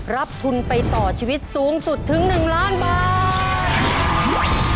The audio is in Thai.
รับทุนไปต่อชีวิตสูงสุดถึง๑ล้านบาท